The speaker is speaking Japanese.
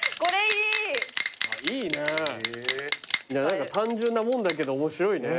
何か単純なもんだけど面白いね。